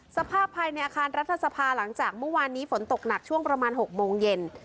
สภาพภายในอาคารรัฐสภาหลังจากเมื่อวานนี้ฝนตกหนักช่วงประมาณ๖โมงเย็น